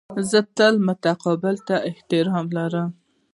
زه تل متقابل احترام لرم.